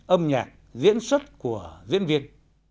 âm nhạc diễn xuất của diễn viên